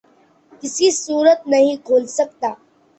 کسی صورت نہیں کھل سکتا